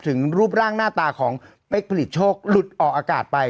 ถึงรูปร่างหน้าตาของเป๊กผลิตโชคหลุดออกอากาศไป